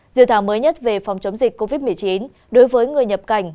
dự thảo mới nhất về phòng chống dịch covid một mươi chín đối với người nhập cảnh